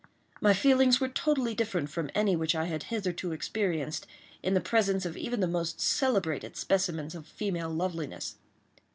My feelings were totally different from any which I had hitherto experienced, in the presence of even the most celebrated specimens of female loveliness.